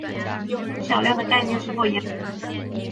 无穷小量的概念是否严格呢？